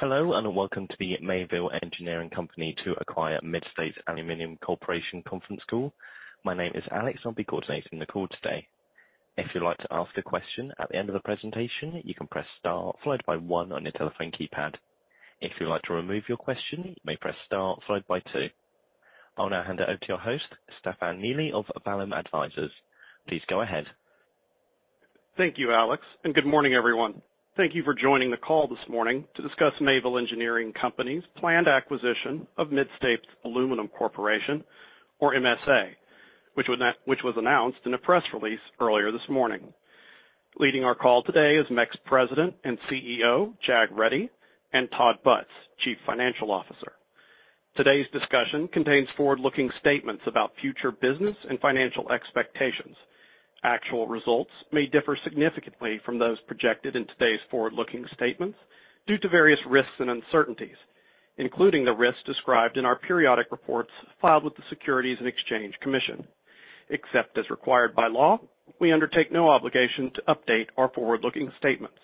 Hello, welcome to the Mayville Engineering Company to acquire Mid-States Aluminum Corp. conference call. My name is Alex, I'll be coordinating the call today. If you'd like to ask a question at the end of the presentation, you can press star followed by 1 on your telephone keypad. If you'd like to remove your question, you may press star followed by two. I'll now hand it over to your host, Stefan Neely of Vallum Advisors. Please go ahead. Thank you, Alex. Good morning, everyone. Thank you for joining the call this morning to discuss Mayville Engineering Company's planned acquisition of Mid-States Aluminum Corp., or MSA, which was announced in a press release earlier this morning. Leading our call today is MEC's President and CEO, Jag Reddy, and Todd Butz, Chief Financial Officer. Today's discussion contains forward-looking statements about future business and financial expectations. Actual results may differ significantly from those projected in today's forward-looking statements due to various risks and uncertainties, including the risks described in our periodic reports filed with the Securities and Exchange Commission. Except as required by law, we undertake no obligation to update our forward-looking statements.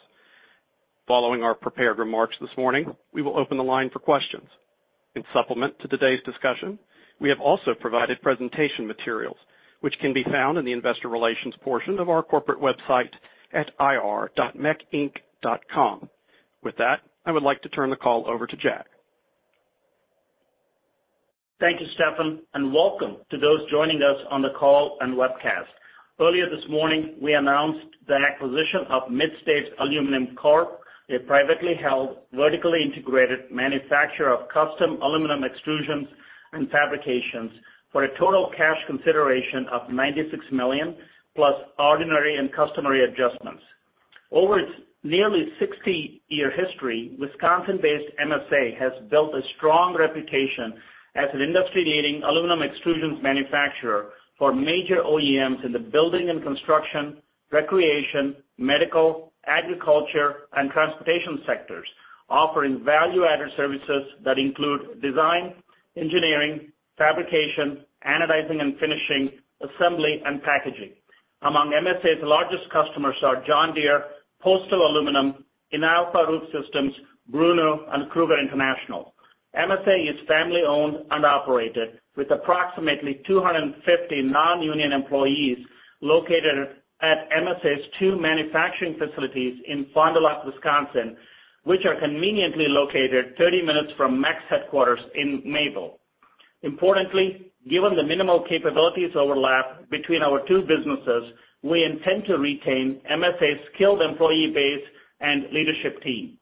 Following our prepared remarks this morning, we will open the line for questions. In supplement to today's discussion, we have also provided presentation materials, which can be found in the investor relations portion of our corporate website at ir.mecinc.com. With that, I would like to turn the call over to Jag. Thank you, Stefan. Welcome to those joining us on the call and webcast. Earlier this morning, we announced the acquisition of Mid-States Aluminum Corp, a privately held, vertically integrated manufacturer of custom aluminum extrusions and fabrications, for a total cash consideration of $96 million, plus ordinary and customary adjustments. Over its nearly 60-year history, Wisconsin-based MSA has built a strong reputation as an industry-leading aluminum extrusions manufacturer for major OEMs in the building and construction, recreation, medical, agriculture, and transportation sectors, offering value-added services that include design, engineering, fabrication, anodizing and finishing, assembly, and packaging. Among MSA's largest customers are John Deere, Coastal Aluminum, Inalfa Roof Systems, Bruno, and Krueger International. MSA is family-owned and operated, with approximately 250 non-union employees located at MSA's 2 manufacturing facilities in Fond du Lac, Wisconsin, which are conveniently located 30 minutes from MEC's headquarters in Mayville. Importantly, given the minimal capabilities overlap between our two businesses, we intend to retain MSA's skilled employee base and leadership team.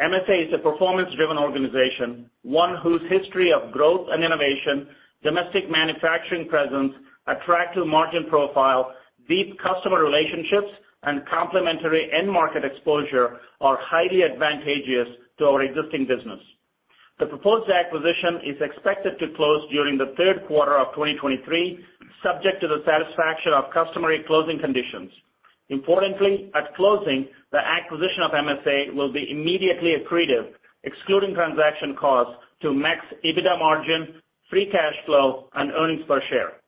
MSA is a performance-driven organization, one whose history of growth and innovation, domestic manufacturing presence, attractive margin profile, deep customer relationships, and complementary end-market exposure are highly advantageous to our existing business. The proposed acquisition is expected to close during the third quarter of 2023, subject to the satisfaction of customary closing conditions. Importantly, at closing, the acquisition of MSA will be immediately accretive, excluding transaction costs, to MEC's EBITDA margin, free cash flow, and earnings per share.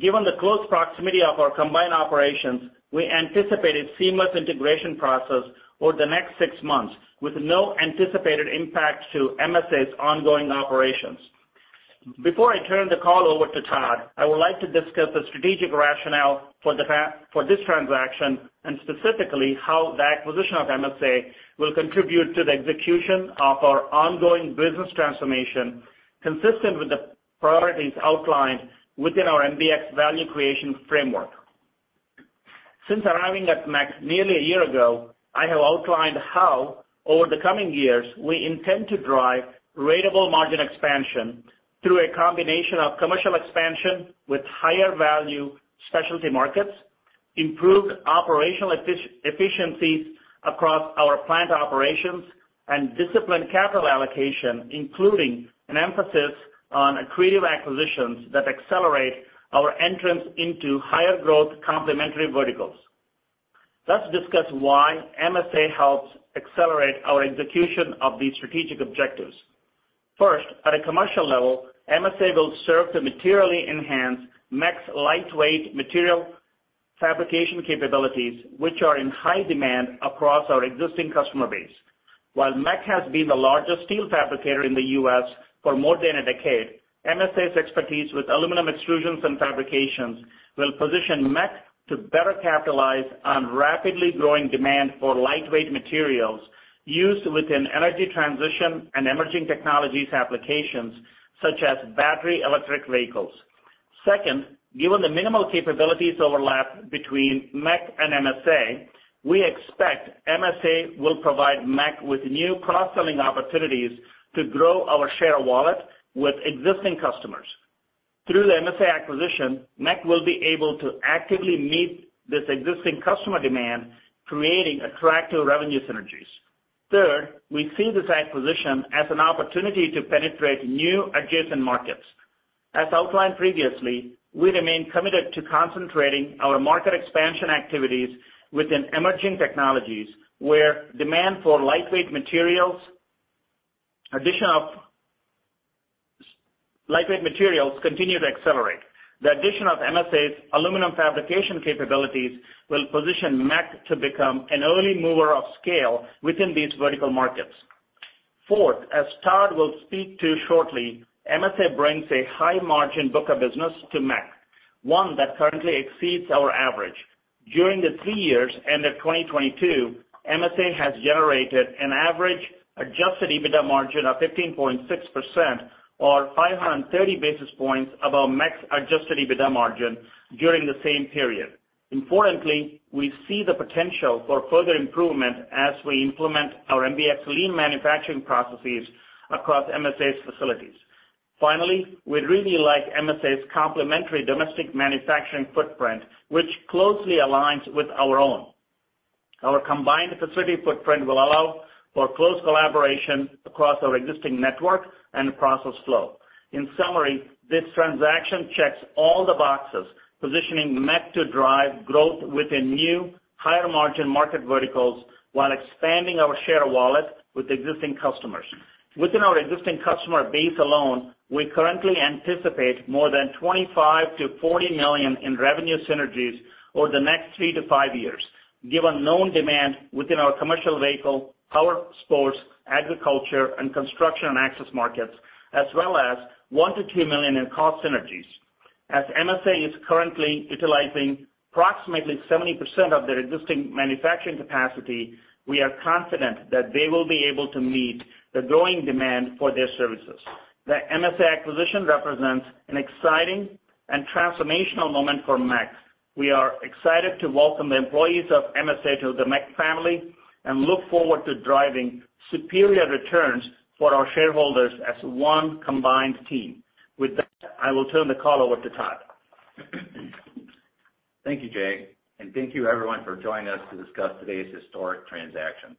Given the close proximity of our combined operations, we anticipate a seamless integration process over the next 6 months, with no anticipated impact to MSA's ongoing operations. Before I turn the call over to Todd, I would like to discuss the strategic rationale for this transaction, and specifically how the acquisition of MSA will contribute to the execution of our ongoing business transformation, consistent with the priorities outlined within our MBX value creation framework. Since arriving at MEC nearly a year ago, I have outlined how, over the coming years, we intend to drive ratable margin expansion through a combination of commercial expansion with higher value specialty markets, improved operational efficiencies across our plant operations, and disciplined capital allocation, including an emphasis on accretive acquisitions that accelerate our entrance into higher growth complementary verticals. Let's discuss why MSA helps accelerate our execution of these strategic objectives. First, at a commercial level, MSA will serve to materially enhance MEC's lightweight material fabrication capabilities, which are in high demand across our existing customer base. While MEC has been the largest steel fabricator in the U.S. for more than a decade, MSA's expertise with aluminum extrusions and fabrications will position MEC to better capitalize on rapidly growing demand for lightweight materials used within energy transition and emerging technologies applications, such as battery electric vehicles. Second, given the minimal capabilities overlap between MEC and MSA, we expect MSA will provide MEC with new cross-selling opportunities to grow our share of wallet with existing customers. Through the MSA acquisition, MEC will be able to actively meet this existing customer demand, creating attractive revenue synergies. Third, we see this acquisition as an opportunity to penetrate new adjacent markets. As outlined previously, we remain committed to concentrating our market expansion activities within emerging technologies, where demand for lightweight materials continue to accelerate. The addition of MSA's aluminum fabrication capabilities will position MEC to become an early mover of scale within these vertical markets. Fourth, as Todd will speak to shortly, MSA brings a high-margin book of business to MEC, one that currently exceeds our average. During the 3 years ended 2022, MSA has generated an average adjusted EBITDA margin of 15.6%, or 530 basis points above MEC's adjusted EBITDA margin during the same period. Importantly, we see the potential for further improvement as we implement our MBX lean manufacturing processes across MSA's facilities. We really like MSA's complementary domestic manufacturing footprint, which closely aligns with our own. Our combined facility footprint will allow for close collaboration across our existing network and process flow. In summary, this transaction checks all the boxes, positioning MEC to drive growth within new, higher-margin market verticals, while expanding our share wallet with existing customers. Within our existing customer base alone, we currently anticipate more than $25 million-$40 million in revenue synergies over the next 3-5 years, given known demand within our commercial vehicle, Powersports, agriculture, and Construction and Access markets, as well as $1 million-$2 million in cost synergies. As MSA is currently utilizing approximately 70% of their existing manufacturing capacity, we are confident that they will be able to meet the growing demand for their services. The MSA acquisition represents an exciting and transformational moment for MEC. We are excited to welcome the employees of MSA to the MEC family, and look forward to driving superior returns for our shareholders as one combined team. With that, I will turn the call over to Todd. Thank you, Jag, thank you, everyone, for joining us to discuss today's historic transaction.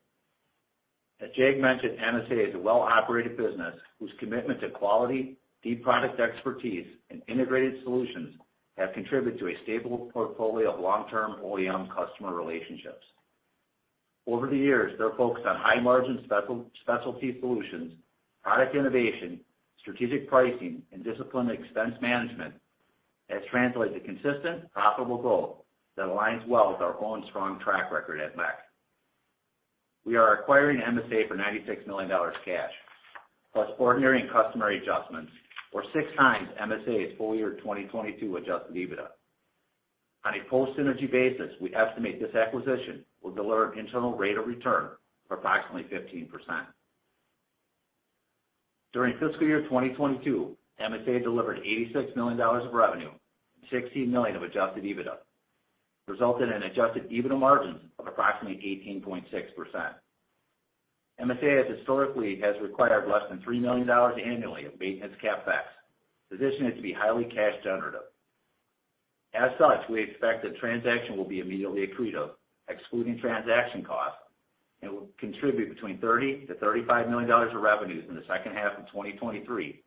As Jag mentioned, MSA is a well-operated business, whose commitment to quality, deep product expertise, and integrated solutions have contributed to a stable portfolio of long-term OEM customer relationships. Over the years, their focus on high-margin specialty solutions, product innovation, strategic pricing, and disciplined expense management, has translated to consistent, profitable growth that aligns well with our own strong track record at MEC. We are acquiring MSA for $96 million cash, plus ordinary and customary adjustments, or 6x MSA's full year 2022 adjusted EBITDA. On a post-synergy basis, we estimate this acquisition will deliver an internal rate of return of approximately 15%. During fiscal year 2022, MSA delivered $86 million of revenue, $16 million of adjusted EBITDA, resulting in adjusted EBITDA margins of approximately 18.6%. MSA historically has required less than $3 million annually of maintenance CapEx, positioning it to be highly cash generative. As such, we expect the transaction will be immediately accretive, excluding transaction costs, and will contribute between $30 million to $35 million of revenues in the second half of 2023,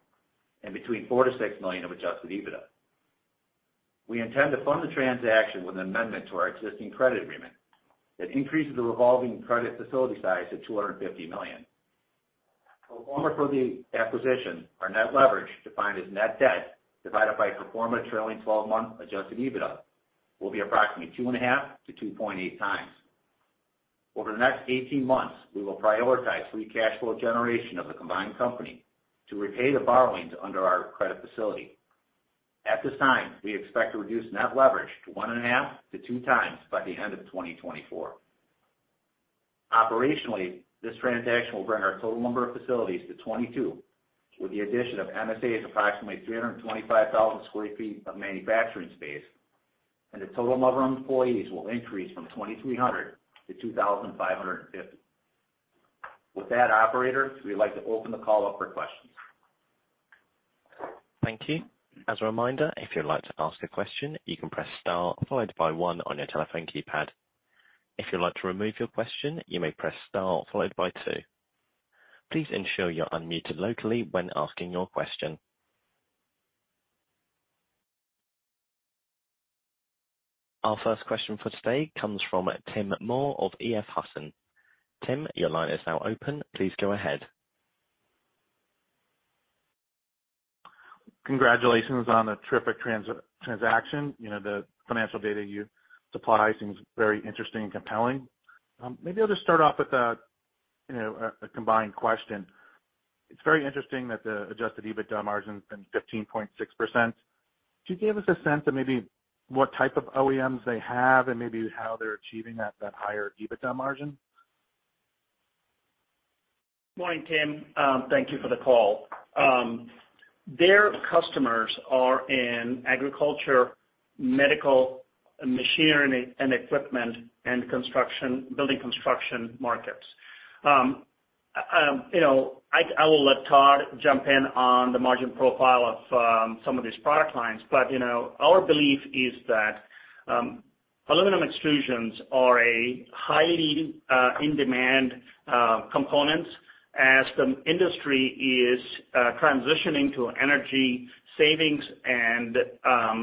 and between $4 million to $6 million of adjusted EBITDA. We intend to fund the transaction with an amendment to our existing credit agreement. It increases the revolving credit facility size to $250 million. Pro forma for the acquisition, our net leverage, defined as net debt divided by pro forma trailing 12-month adjusted EBITDA, will be approximately 2.5 to 2.89. Over the next 18 months, we will prioritize free cash flow generation of the combined company to repay the borrowings under our credit facility. At this time, we expect to reduce net leverage to 1.5x to 2x by the end of 2024. Operationally, this transaction will bring our total number of facilities to 22, with the addition of MSA's approximately 325,000 sq ft of manufacturing space, and the total number of employees will increase from 2,300 to 2,550. With that, operator, we'd like to open the call up for questions. Thank you. As a reminder, if you'd like to ask a question, you can press star followed by 1 on your telephone keypad. If you'd like to remove your question, you may press star followed by 2. Please ensure you're unmuted locally when asking your question. Our first question for today comes from Tim Moore of EF Hutton. Tim, your line is now open. Please go ahead. Congratulations on a terrific transaction. You know, the financial data you supply seems very interesting and compelling. Maybe I'll just start off with a, you know, a combined question. It's very interesting that the adjusted EBITDA margin has been 15.6%. Could you give us a sense of maybe what type of OEMs they have and maybe how they're achieving that higher EBITDA margin? Morning, Tim, thank you for the call. Their customers are in agriculture, medical, machinery and equipment, and construction, building construction markets. You know, I will let Todd jump in on the margin profile of some of these product lines. You know, our belief is that aluminum extrusions are a highly in-demand components as the industry is transitioning to energy-... savings and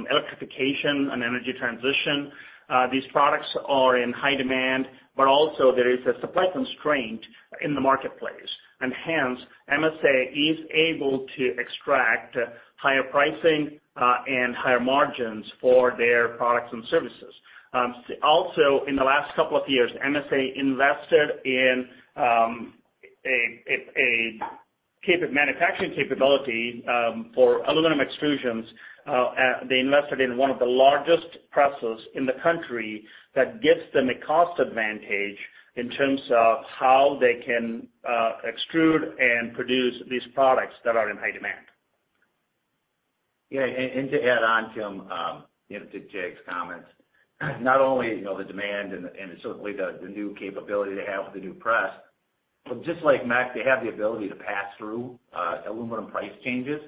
electrification and energy transition. These products are in high demand, but also there is a supply constraint in the marketplace. Hence, MSA is able to extract higher pricing and higher margins for their products and services. Also, in the last couple of years, MSA invested in a manufacturing capability for aluminum extrusions. They invested in one of the largest presses in the country that gives them a cost advantage in terms of how they can extrude and produce these products that are in high demand. Yeah, and to add on, Tim, you know, to Jag's comments, not only, you know, the demand and certainly the new capability they have with the new press, but just like MEC, they have the ability to pass through aluminum price changes.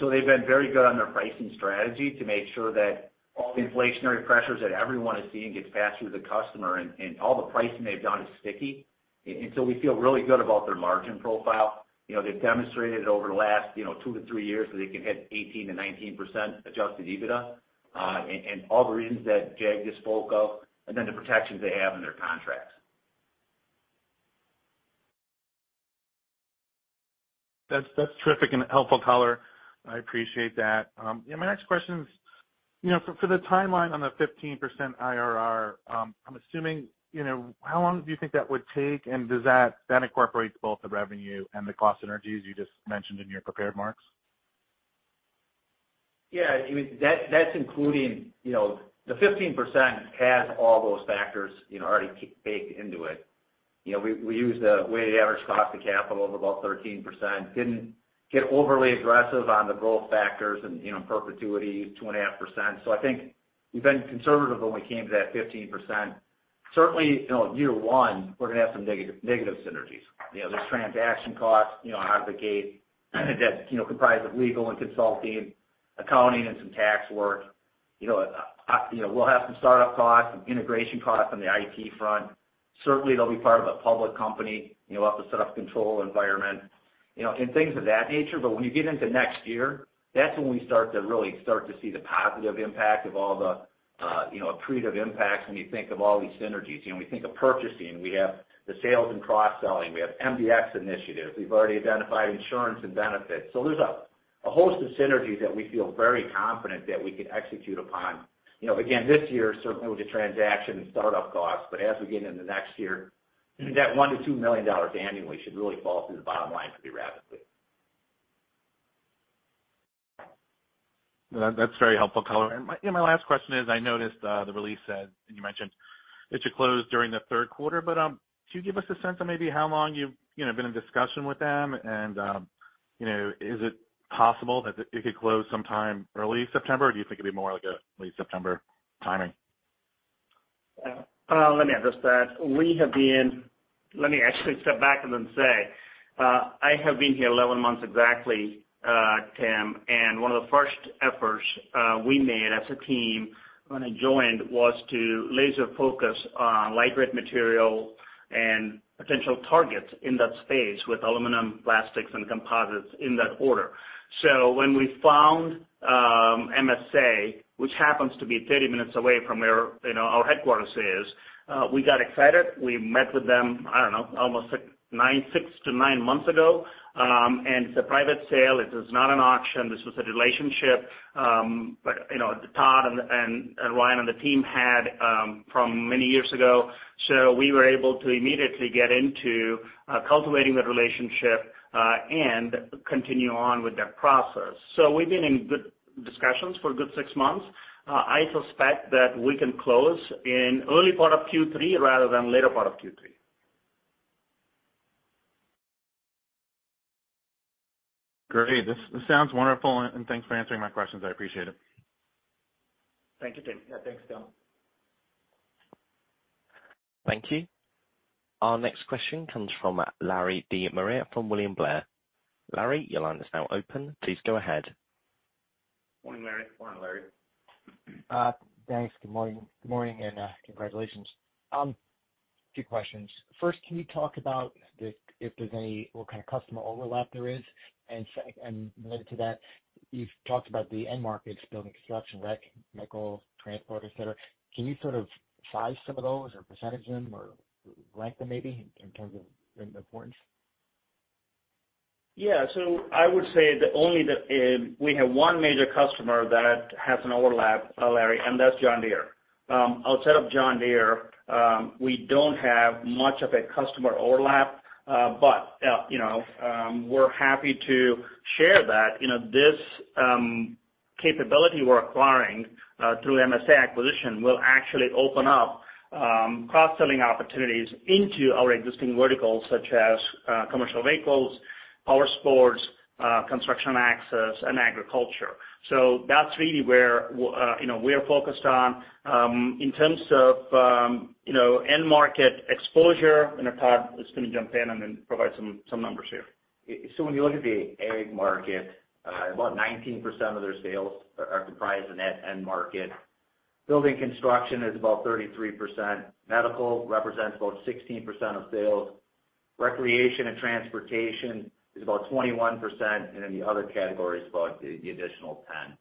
So they've been very good on their pricing strategy to make sure that all the inflationary pressures that everyone is seeing gets passed through to the customer, and all the pricing they've done is sticky. So we feel really good about their margin profile. You know, they've demonstrated over the last, you know, two to three years, that they can hit 18%-19% adjusted EBITDA, and all the reasons that Jag just spoke of, and then the protections they have in their contracts. That's terrific and helpful color. I appreciate that. Yeah, my next question is, you know, for the timeline on the 15% IRR, I'm assuming, you know, how long do you think that would take? Does that incorporate both the revenue and the cost synergies you just mentioned in your prepared marks? Yeah, I mean, that's including, you know, the 15% has all those factors, you know, already baked into it. You know, we use the weighted average cost of capital of about 13%. Didn't get overly aggressive on the growth factors and, you know, perpetuity, 2.5%. I think we've been conservative when we came to that 15%. Certainly, you know, year one, we're gonna have some negative synergies. You know, there's transaction costs, you know, out of the gate, that's, you know, comprised of legal and consulting, accounting, and some tax work. You know, you know, we'll have some startup costs, some integration costs on the IT front. Certainly, they'll be part of a public company, you know, we'll have to set up control environment, you know, and things of that nature. When you get into next year, that's when we start to really see the positive impact of all the, you know, accretive impacts when you think of all these synergies. You know, we think of purchasing, we have the sales and cross-selling, we have MBX initiatives. We've already identified insurance and benefits. There's a host of synergies that we feel very confident that we can execute upon. You know, again, this year, certainly with the transaction and startup costs, but as we get into next year, that $1 million-$2 million annually should really fall through the bottom line pretty rapidly. That's very helpful color. My, you know, my last question is, I noticed, the release said, and you mentioned it should close during the third quarter, could you give us a sense of maybe how long you've, you know, been in discussion with them and, you know, is it possible that it could close sometime early September, or do you think it'd be more like a late September timing? Let me address that. Let me actually step back and then say, I have been here 11 months exactly, Tim, and one of the first efforts we made as a team when I joined was to laser focus on lightweight material and potential targets in that space with aluminum, plastics, and composites in that order. When we found MSA, which happens to be 30 minutes away from where, you know, our headquarters is, we got excited. We met with them, I don't know, almost like 6-9 months ago. It's a private sale. It is not an auction. This was a relationship, but, you know, Todd and Ryan and the team had from many years ago. We were able to immediately get into, cultivating that relationship, and continue on with that process. We've been in good discussions for a good 6 months. I suspect that we can close in early part of Q3 rather than later part of Q3. Great! This sounds wonderful. Thanks for answering my questions. I appreciate it. Thank you, Tim. Yeah, thanks, Tim. Thank you. Our next question comes from Larry De Maria from William Blair. Larry, your line is now open. Please go ahead. Morning, Larry. Morning, Larry. Thanks. Good morning. Good morning, and congratulations. Two questions. First, can you talk about the, if there's any, what kind of customer overlap there is? Related to that, you've talked about the end markets, building construction, RV, transport, et cetera. Can you sort of size some of those or percentage them or rank them maybe in terms of their importance? I would say the only the, we have one major customer that has an overlap, Larry, and that's John Deere. Outside of John Deere, we don't have much of a customer overlap, but, you know, we're happy to share that. You know, this capability we're acquiring through MSA acquisition will actually open up cross-selling opportunities into our existing verticals, such as commercial vehicles, powersports, construction access, and agriculture. That's really where, you know, we are focused on. In terms of, you know, end market exposure, and Todd is going to jump in and then provide some numbers here. When you look at the ag market, about 19% of their sales are comprised in that end market. Building construction is about 33%. Medical represents about 16% of sales. Recreation and transportation is about 21%, and then the other category is about the additional 10%.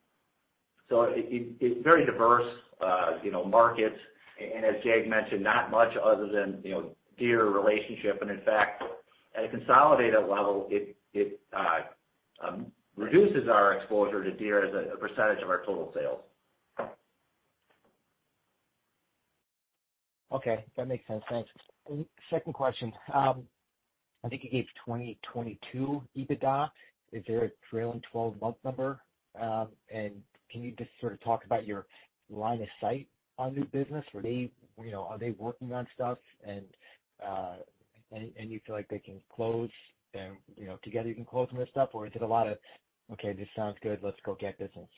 It's very diverse, you know, markets, and as Jag mentioned, not much other than, you know, Deere relationship. In fact, at a consolidated level, it reduces our exposure to Deere as a percentage of our total sales. Okay, that makes sense. Thanks. Second question. I think you gave 2022 EBITDA. Is there a trailing twelve-month number? Can you just sort of talk about your line of sight on new business? you know, are they working on stuff, and you feel like they can close and, you know, together you can close some of this stuff, or is it a lot of, "Okay, this sounds good, let's go get business?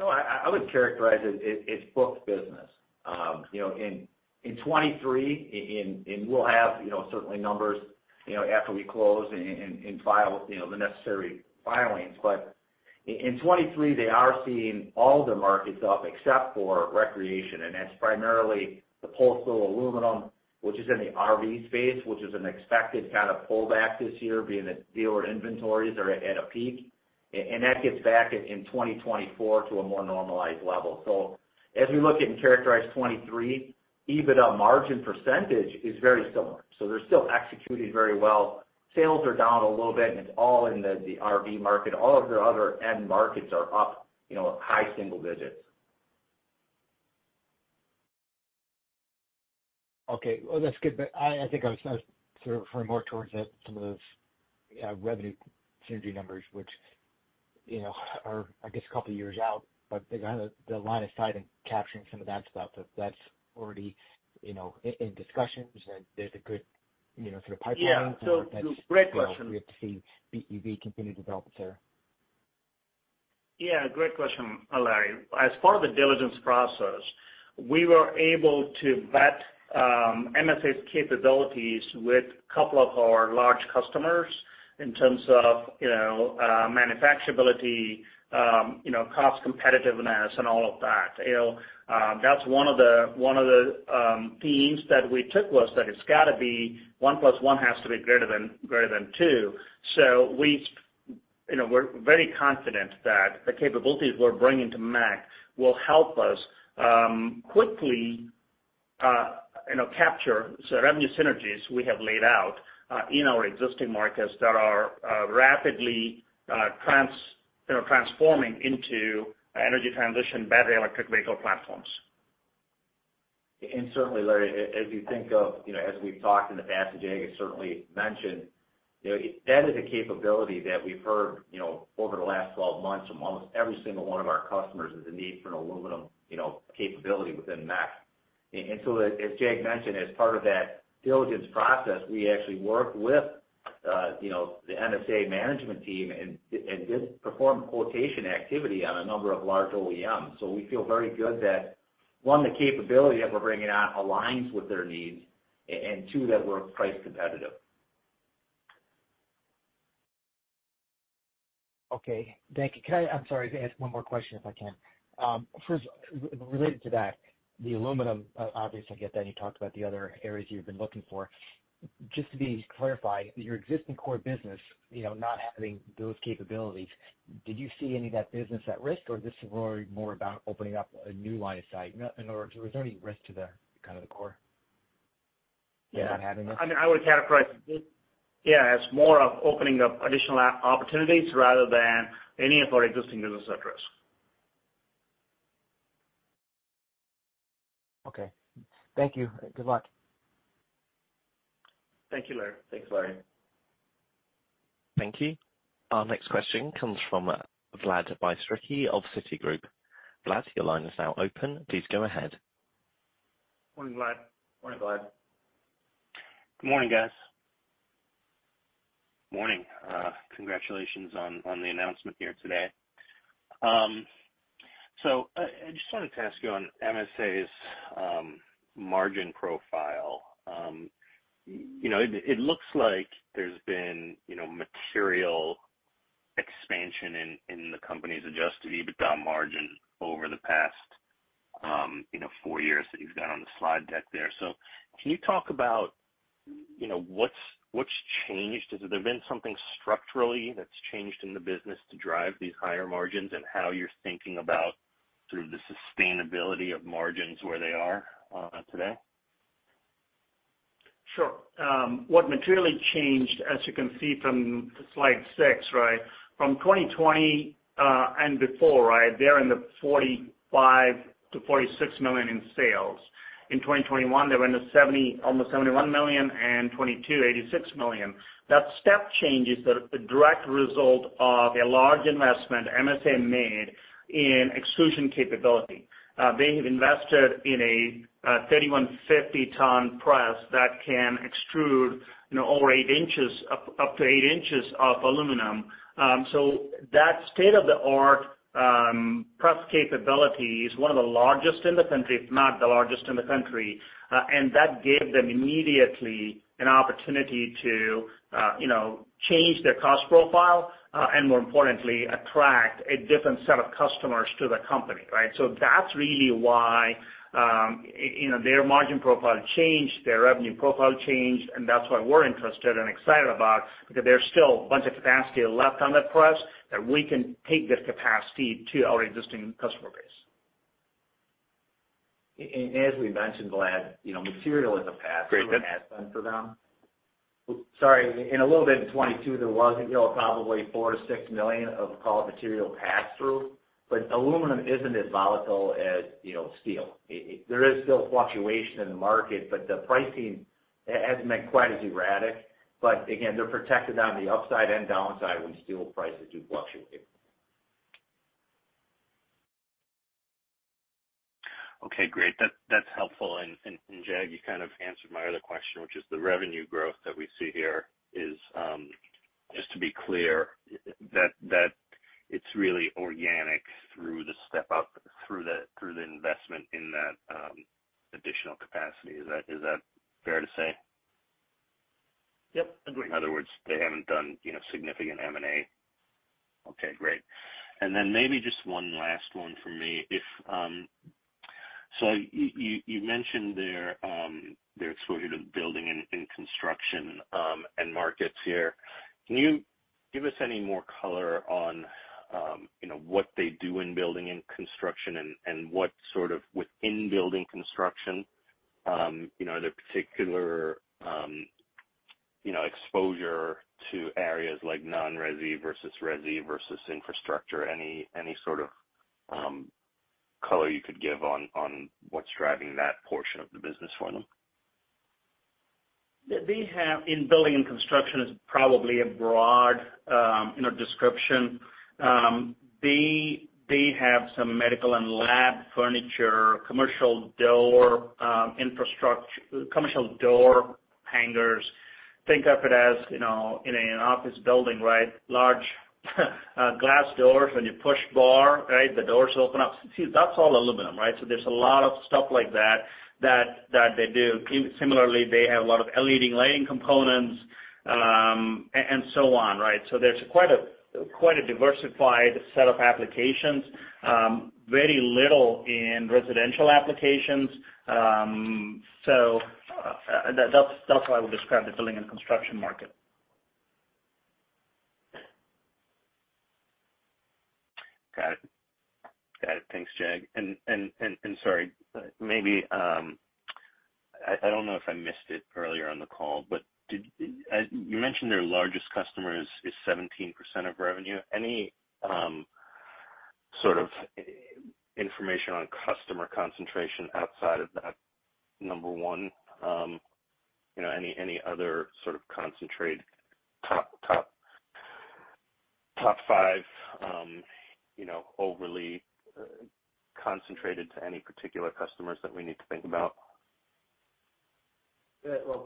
No, I would characterize it's booked business. You know, in 2023, we'll have, you know, certainly numbers, you know, after we close and file, you know, the necessary filings. In 2023, they are seeing all the markets up except for recreation, and that's primarily the Coastal Aluminum, which is in the RV space, which is an expected kind of pullback this year, being that dealer inventories are at a peak. That gets back in 2024 to a more normalized level. As we look at and characterize 2023, EBITDA margin percentage is very similar, so they're still executing very well. Sales are down a little bit, and it's all in the RV market. All of their other end markets are up, you know, high single digits. Okay, well, that's good. I think I was kind of sort of referring more towards the, some of those, revenue synergy numbers, which, you know, are, I guess, a couple of years out, but they kind of the line of sight and capturing some of that stuff, that's already, you know, in discussions, and there's a good, you know, sort of pipeline... Yeah. Great question. We have to see BEV continue to develop there. Yeah, great question, Larry. As part of the diligence process, we were able to vet MSA's capabilities with a couple of our large customers in terms of, you know, manufacturability, you know, cost competitiveness, and all of that. You know, that's one of the themes that we took was that it's got to be 1 plus 1 has to be greater than 2. We, you know, we're very confident that the capabilities we're bringing to MEC will help us quickly, you know, capture the revenue synergies we have laid out, in our existing markets that are rapidly, you know, transforming into energy transition, battery electric vehicle platforms. Certainly, Larry, as you think of, you know, as we've talked in the past, and Jag has certainly mentioned, you know, that is a capability that we've heard, you know, over the last 12 months from almost every single one of our customers, is the need for an aluminum, you know, capability within MEC. As Jag mentioned, as part of that diligence process, we actually worked with, you know, the MSA management team and did perform quotation activity on a number of large OEMs. We feel very good that, one, the capability that we're bringing on aligns with their needs, and two, that we're price competitive. Okay, thank you. Can I... I'm sorry, can I ask one more question, if I can? first, related to that, the aluminum, obviously, I get that you talked about the other areas you've been looking for. Just to be clarified, your existing core business, you know, not having those capabilities, did you see any of that business at risk, or this is more about opening up a new line of sight? in order, was there any risk to the kind of the core- Yeah. Not having it? I mean, I would characterize it, yeah, as more of opening up additional opportunities rather than any of our existing business at risk. Okay. Thank you. Good luck. Thank you, Larry. Thanks, Larry. Thank you. Our next question comes from Vlad Bystricky of Citigroup. Vlad, your line is now open. Please go ahead. Morning, Vlad. Morning, Vlad. Good morning, guys. Morning, congratulations on the announcement here today. I just wanted to ask you on MSA's margin profile. You know, it looks like there's been, you know, material expansion in the company's adjusted EBITDA margin over the past, you know, 4 years that you've got on the slide deck there. Can you talk about, you know, what's changed? Has there been something structurally that's changed in the business to drive these higher margins, and how you're thinking about sort of the sustainability of margins, where they are today? Sure. What materially changed, as you can see from Slide 6, right? From 2020 and before, right, they're in the $45 million to $46 million in sales. In 2021, they were in the $70 million, almost $71 million, and 2022, $86 million. That step change is the direct result of a large investment MSA made in extrusion capability. They have invested in a 3,150 ton press that can extrude, you know, over 8 inches, up to 8 inches of aluminum. That state-of-the-art press capability is one of the largest in the country, if not the largest in the country. That gave them immediately an opportunity to, you know, change their cost profile, and more importantly, attract a different set of customers to the company, right? That's really why, you know, their margin profile changed, their revenue profile changed, and that's what we're interested and excited about, because there's still a bunch of capacity left on that press, that we can take this capacity to our existing customer base. As we mentioned, Vlad, you know, material is a. Great. For them. Sorry, in a little bit of 2022, there was, you know, probably $4milion to $6 million of raw material pass-through. Aluminum isn't as volatile as, you know, steel. It there is still fluctuation in the market, but the pricing hasn't been quite as erratic. Again, they're protected on the upside and downside when steel prices do fluctuate. Okay, great. That's helpful. Jag, you kind of answered my other question, which is the revenue growth that we see here is, just to be clear, that it's really organic through the step up, through the investment in that additional capacity. Is that fair to say? Yep, agree. In other words, they haven't done, you know, significant M&A. Okay, great. Maybe just one last one for me. If you mentioned their exposure to building and construction and markets here. Can you give us any more color on, you know, what they do in building and construction and what sort of within building construction, you know, their particular, you know, exposure to areas like non-resi versus resi versus infrastructure? Any sort of color you could give on what's driving that portion of the business for them? In building and construction is probably a broad, you know, description. They have some medical and lab furniture, commercial door, commercial door hangers. Think of it as, you know, in an office building, right? Large glass doors, when you push bar, right, the doors open up. See, that's all aluminum, right? There's a lot of stuff like that they do. Similarly, they have a lot of LED lighting components, and so on, right? There's quite a diversified set of applications, very little in residential applications. That's how I would describe the building and construction market. Got it. Thanks, Jag. Sorry, maybe, I don't know if I missed it earlier on the call, but you mentioned their largest customer is 17% of revenue. Any sort of information on customer concentration outside of that number one? You know, any other sort of concentrated top five, you know, overly concentrated to any particular customers that we need to think about?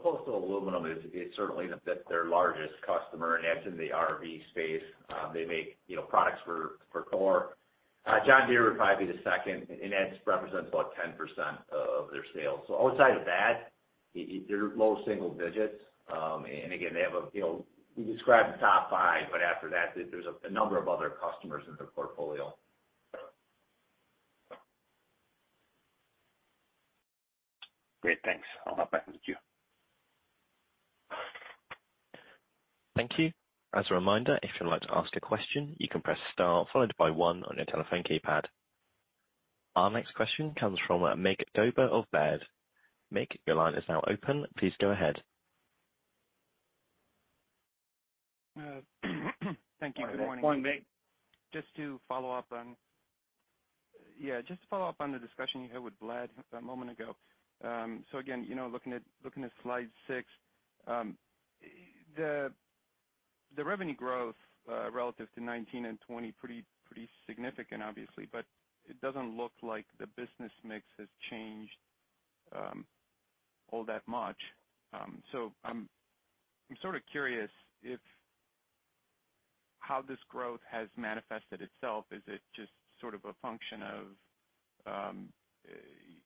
Coastal Aluminum is certainly their largest customer. That's in the RV space. They make, you know, products for Thor. John Deere would probably be the second, that represents about 10% of their sales. Outside of that, they're low single digits. Again, they have a, you know, we described the top five, but after that, there's a number of other customers in their portfolio. Great, thanks. I'll hop back into queue. Thank you. As a reminder, if you'd like to ask a question, you can press star followed by one on your telephone keypad. Our next question comes from Mig Dobre of Baird. Mig, your line is now open. Please go ahead. Thank you. Good morning. Good morning, Mig. Just to follow up on. Yeah, just to follow up on the discussion you had with Vlad a moment ago. Again, you know, looking at Slide 6, the revenue growth, relative to 2019 and 2020, pretty significant, obviously, but it doesn't look like the business mix has changed all that much. I'm sort of curious how this growth has manifested itself. Is it just sort of a function of,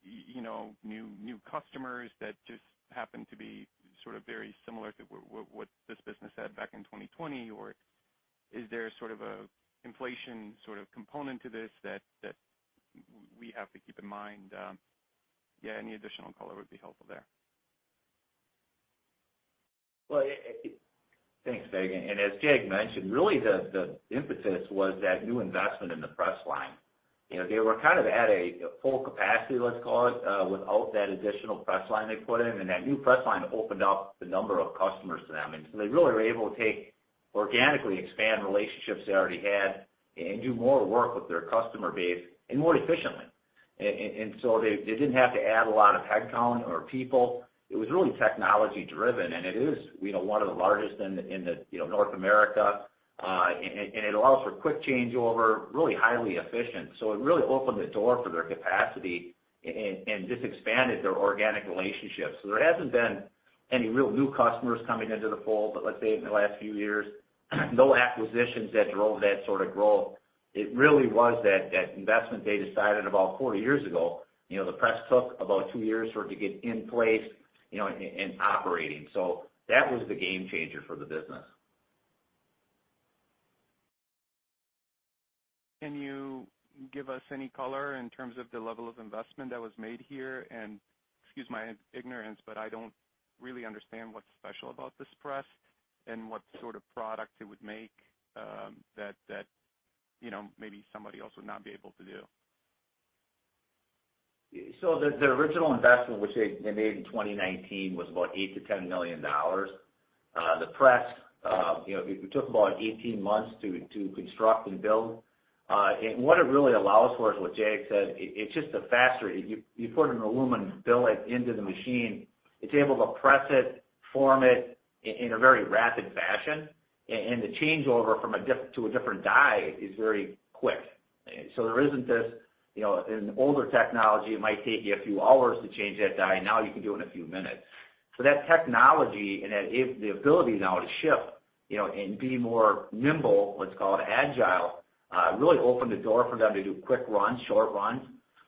you know, new customers that just happen to be sort of very similar to what this business had back in 2020? Or is there sort of a inflation sort of component to this that we have to keep in mind? Yeah, any additional color would be helpful there. It. Thanks, Mig. As Jag mentioned, really the impetus was that new investment in the press line. You know, they were kind of at a full capacity, let's call it, without that additional press line they put in, and that new press line opened up the number of customers to them. They really were able to take organically expand relationships they already had and do more work with their customer base, and more efficiently. So they didn't have to add a lot of headcount or people. It was really technology driven, and it is, you know, 1 of the largest in the, in the, you know, North America. And it allows for quick changeover, really highly efficient. It really opened the door for their capacity and just expanded their organic relationships. There hasn't been any real new customers coming into the fold, but let's say in the last few years, no acquisitions that drove that sort of growth. It really was that investment they decided about 4 years ago. You know, the press took about 2 years for it to get in place, you know, and operating. That was the game changer for the business. Can you give us any color in terms of the level of investment that was made here? Excuse my ignorance, but I don't really understand what's special about this press and what sort of products it would make, you know, maybe somebody else would not be able to do? The original investment, which they made in 2019, was about $8 million-$10 million. The press, you know, it took about 18 months to construct and build. And what it really allows for is what Jag said, it's just a faster, you put an aluminum billet into the machine, it's able to press it, form it, in a very rapid fashion. And the changeover from a different die is very quick. There isn't this, you know, in older technology, it might take you a few hours to change that die. Now, you can do it in a few minutes. That technology, and that is the ability now to shift, you know, and be more nimble, let's call it, agile, really opened the door for them to do quick runs, short runs.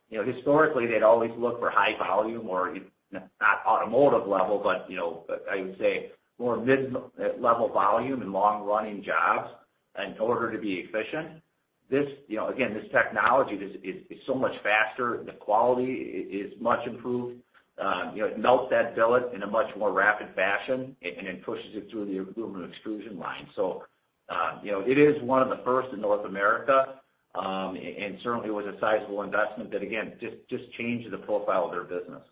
You know, historically, they'd always look for high volume or not automotive level, but, you know, I would say more mid-level volume and long-running jobs in order to be efficient. This, you know, again, this technology is so much faster. The quality is much improved. You know, it melts that billet in a much more rapid fashion, and it pushes it through the aluminum extrusion line. You know, it is one of the first in North America, and certainly was a sizable investment that, again, just changed the profile of their business.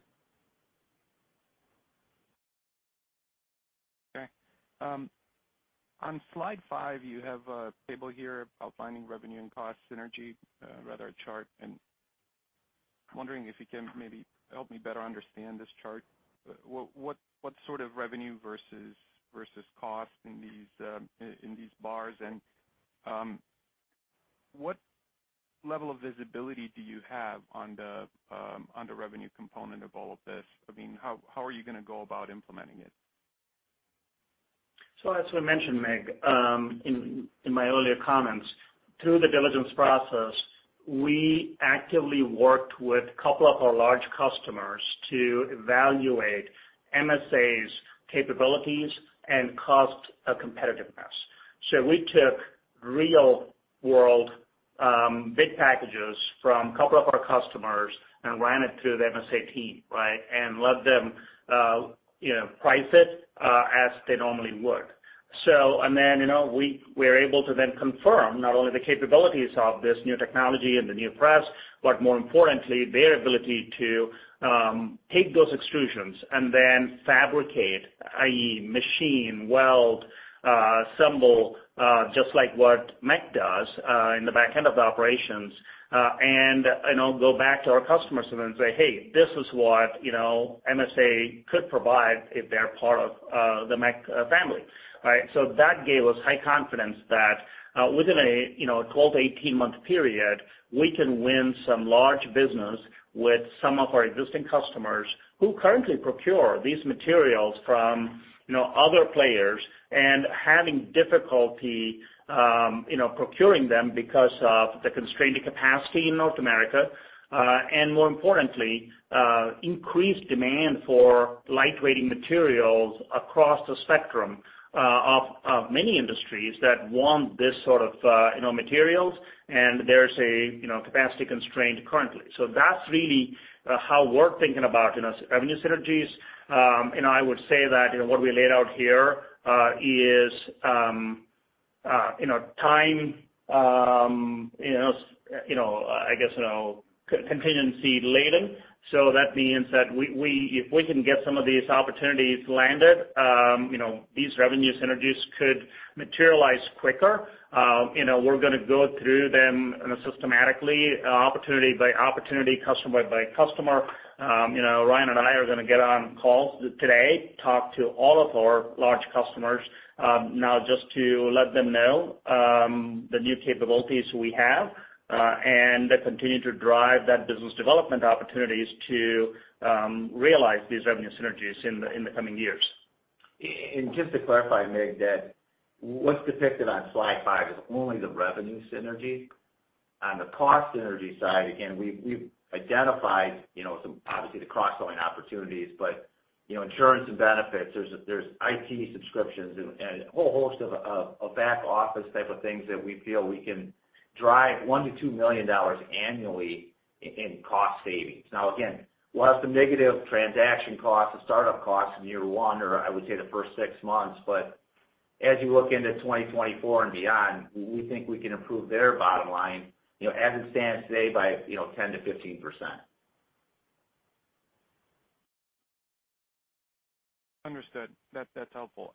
On Slide 5, you have a table here outlining revenue and cost synergy, rather a chart. I'm wondering if you can maybe help me better understand this chart. What sort of revenue versus cost in these in these bars? What level of visibility do you have on the revenue component of all of this? I mean, how are you gonna go about implementing it? As we mentioned, Mig, in my earlier comments, through the diligence process, we actively worked with a couple of our large customers to evaluate MSA's capabilities and cost competitiveness. We took real-world big packages from a couple of our customers and ran it through the MSA team, right? Let them, you know, price it as they normally would. You know, we're able to then confirm not only the capabilities of this new technology and the new press, but more importantly, their ability to take those extrusions and then fabricate, i.e., machine, weld, assemble, just like what MEC does in the back end of the operations, and, you know, go back to our customers and then say, "Hey, this is what, you know, MSA could provide if they're part of the MEC family." Right? That gave us high confidence that, within a, you know, 12-18-month period, we can win some large business with some of our existing customers who currently procure these materials from, you know, other players, and having difficulty, you know, procuring them because of the constrained capacity in North America, and more importantly, increased demand for lightweighting materials across the spectrum, of many industries that want this sort of, you know, materials, and there's a, you know, capacity constraint currently. That's really, how we're thinking about, you know, revenue synergies. I would say that, you know, what we laid out here, is, you know, time, you know, you know, I guess, you know, contingency laden. That means that we if we can get some of these opportunities landed, you know, these revenue synergies could materialize quicker. You know, we're gonna go through them, you know, systematically, opportunity by opportunity, customer by customer. You know, Ryan and I are gonna get on calls today, talk to all of our large customers, not just to let them know the new capabilities we have, and continue to drive that business development opportunities to realize these revenue synergies in the coming years. Just to clarify, Jag, that what's depicted on Slide 5 is only the revenue synergy. On the cost synergy side, again, we've identified, you know, some, obviously, the cross-selling opportunities, but, you know, insurance and benefits, there's IT subscriptions and a whole host of back-office type of things that we feel we can drive $1 million-$2 million annually in cost savings. Again, we'll have some negative transaction costs and start-up costs in year one, or I would say the first six months. As you look into 2024 and beyond, we think we can improve their bottom line, you know, as it stands today, by, you know, 10%-15%. Understood. That's helpful.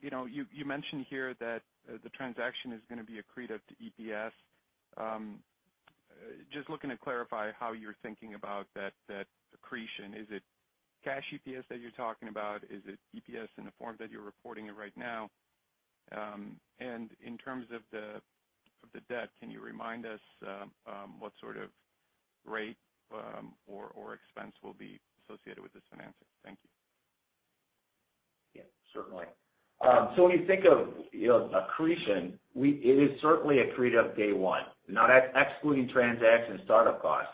You know, you mentioned here that the transaction is gonna be accretive to EPS. Just looking to clarify how you're thinking about that accretion. Is it cash EPS that you're talking about? Is it EPS in the form that you're reporting it right now? In terms of the debt, can you remind us what sort of rate or expense will be associated with this financing? Thank you. Yeah, certainly. When you think of, you know, accretion, it is certainly accretive day one, not excluding transaction start-up costs.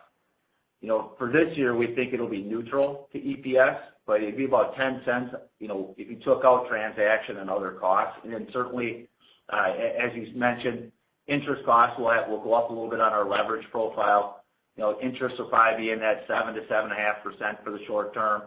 You know, for this year, we think it'll be neutral to EPS, but it'd be about $0.10, you know, if you took out transaction and other costs. Certainly, as you mentioned, interest costs will go up a little bit on our leverage profile. You know, interest will probably be in that 7% to 7.5% for the short term.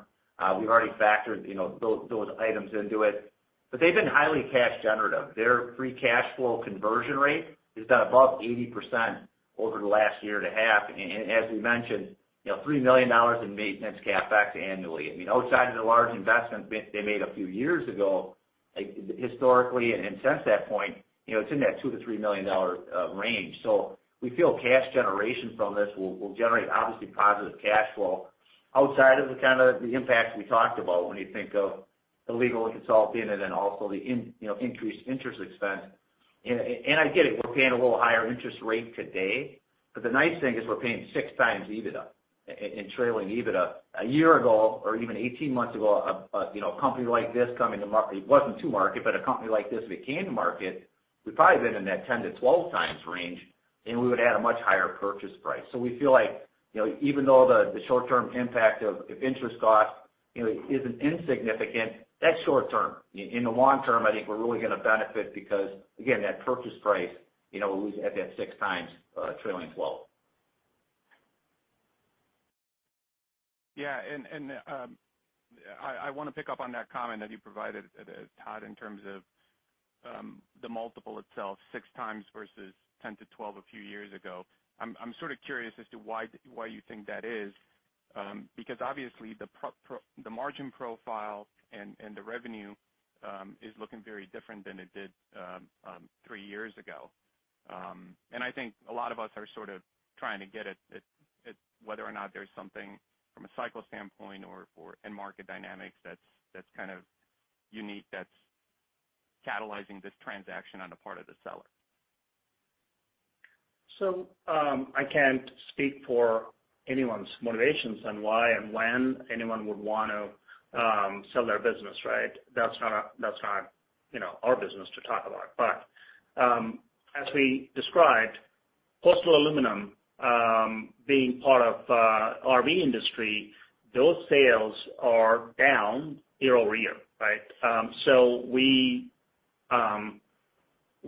We've already factored, you know, those items into it. They've been highly cash generative. Their free cash flow conversion rate is at above 80% over the last year and a half. As we mentioned, you know, $3 million in maintenance CapEx annually. I mean, outside of the large investment they made a few years ago, like historically and since that point, you know, it's in that $2 million to $3 million range. We feel cash generation from this will generate obviously positive cash flow outside of the kind of the impacts we talked about when you think of the legal and consulting, and then also the increased interest expense. I get it, we're paying a little higher interest rate today, but the nice thing is we're paying 6x EBITDA and trailing EBITDA. A year ago, or even 18 months ago, you know, company like this coming to market, but a company like this that came to market, we'd probably been in that 10x to 12x range, and we would add a much higher purchase price. We feel like, you know, even though the short-term impact of interest cost, you know, isn't insignificant, that's short term. In the long term, I think we're really gonna benefit because, again, that purchase price, you know, was at that 6x trailing as well. I wanna pick up on that comment that you provided, Todd, in terms of the multiple itself, 6x versus 10x to 12x a few years ago. I'm sort of curious as to why you think that is. Because obviously the margin profile and the revenue is looking very different than it did three years ago. I think a lot of us are sort of trying to get at whether or not there's something from a cycle standpoint or for end market dynamics that's kind of unique, that's catalyzing this transaction on the part of the seller. I can't speak for anyone's motivations on why and when anyone would wanna sell their business, right? That's not, you know, our business to talk about. As we described, Coastal Aluminum, being part of RV industry, those sales are down year-over-year, right?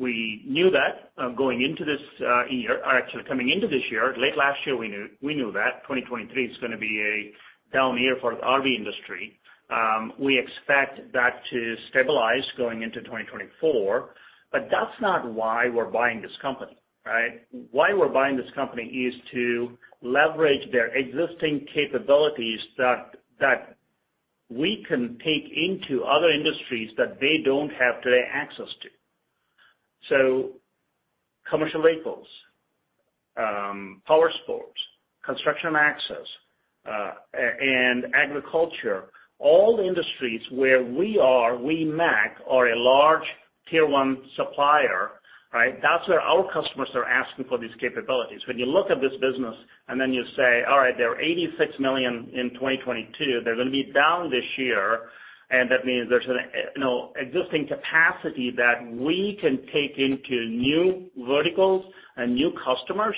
We knew that going into this year or actually coming into this year. Late last year, we knew that 2023 is gonna be a down year for the RV industry. We expect that to stabilize going into 2024, that's not why we're buying this company, right? Why we're buying this company is to leverage their existing capabilities that we can take into other industries that they don't have today access to. Commercial labels, power sports, construction access, and agriculture, all industries where we are, we, MEC, are a large tier one supplier, right? That's where our customers are asking for these capabilities. When you look at this business, you say: All right, they're $86 million in 2022, they're gonna be down this year, that means there's you know, existing capacity that we can take into new verticals and new customers,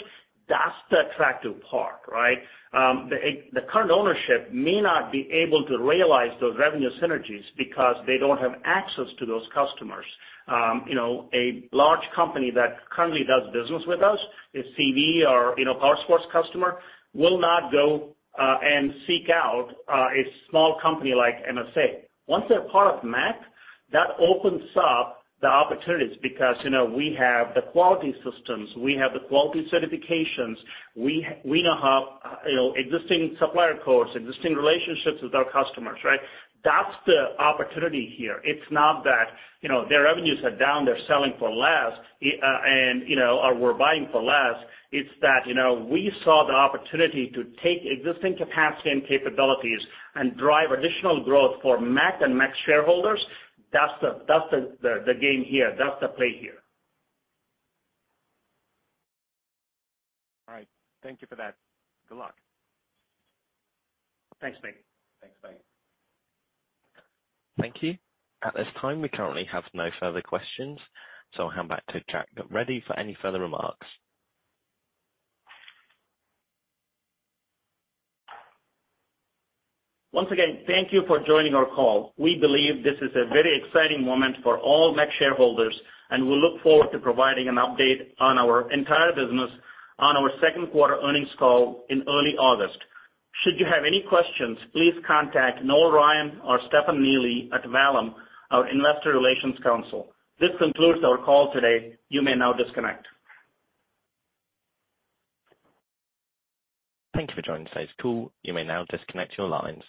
that's the attractive part, right? The current ownership may not be able to realize those revenue synergies because they don't have access to those customers. You know, a large company that currently does business with us, a CV or, you know, power sports customer, will not go and seek out a small company like MSA. Once they're part of MEC, that opens up the opportunities because, you know, we have the quality systems, we have the quality certifications, we know how, you know, existing supplier course, existing relationships with our customers, right? That's the opportunity here. It's not that, you know, their revenues are down, they're selling for less, and, you know, or we're buying for less. It's that, you know, we saw the opportunity to take existing capacity and capabilities and drive additional growth for MEC and MEC shareholders. That's the game here. That's the play here. All right. Thank you for that. Good luck. Thanks, Mig. Thanks, Mig. Thank you. At this time, we currently have no further questions. I'll hand back to Jag Reddy for any further remarks. Once again, thank you for joining our call. We believe this is a very exciting moment for all MEC shareholders, and we look forward to providing an update on our entire business on our second quarter earnings call in early August. Should you have any questions, please contact Noel Ryan or Stefan Neely at Vallum, our investor relations counsel. This concludes our call today. You may now disconnect. Thank you for joining today's call. You may now disconnect your lines.